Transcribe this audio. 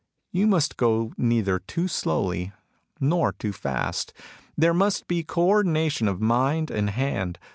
You must go neither too slowly nor too fast. There must be co ordination of mind and hand.